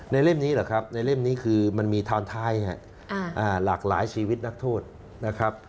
เล่มนี้เหรอครับในเล่มนี้คือมันมีทอนท้ายหลากหลายชีวิตนักโทษนะครับ